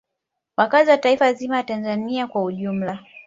Wakazi wa taifa zima la Tanzania kwa ujumla